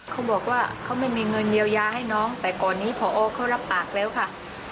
เขาบอกว่าเขาไม่มีเงินเยียวยาให้น้องแต่ก่อนนี้พอเขารับปากแล้วค่ะ